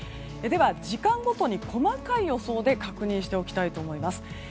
では、時間ごとに細かい予想で確認しておきたいと思います。